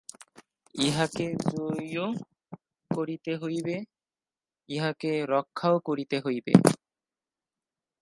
ইহাকে জয়ীও করিতে হইবে, ইহাকে রক্ষাও করিতে হইবে।